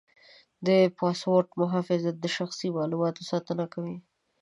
د پاسورډ محافظت د شخصي معلوماتو ساتنه کوي.